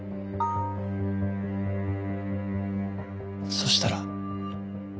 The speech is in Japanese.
そしたら。